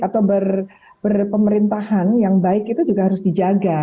atau berpemerintahan yang baik itu juga harus dijaga